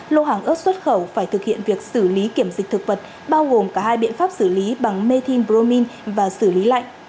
lô hàng ớt xuất khẩu phải thực hiện việc xử lý kiểm dịch thực vật bao gồm cả hai biện pháp xử lý bằng metinromine và xử lý lạnh